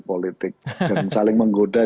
politik dan saling menggoda